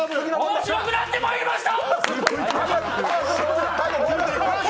面白くなってまいりました！